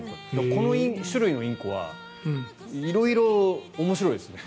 この種類のインコは色々、面白いですね。